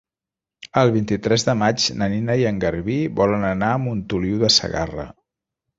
El vint-i-tres de maig na Nina i en Garbí volen anar a Montoliu de Segarra.